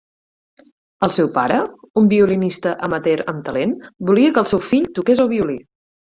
El seu pare, un violinista amateur amb talent, volia que el seu fill toqués el violí.